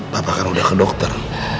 bapak kan udah ke dokter